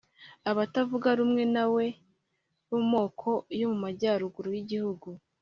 abatavuga rumwe na we bo mu moko yo mu majyaruguru y'igihugu